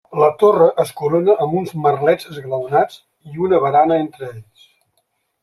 La torre es corona amb uns merlets esglaonats i una barana entre ells.